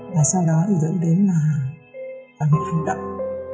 và sau đó thì dẫn đến là bằng những hành động